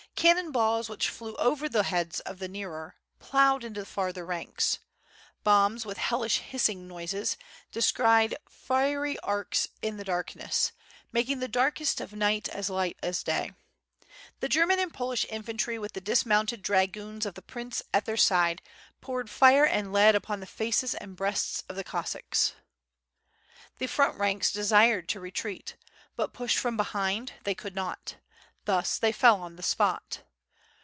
Cannon balls which flew over the heads of the nearer, ploughed into the farther ranks. Bombs, with hellish hissing noises, described fiery arcs in the darkness, making the darkest of night as light as day. The German and Polish infantry with the dismounted dragoons of the prince at their side poured fire and lead upon the faces and breasts of the Cossacks. The front ranks desired to retreat, but pushed from be* hind, they could not. Thus they fell on the spot.